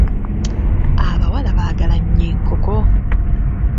Abawala baagala nnyo enkoko.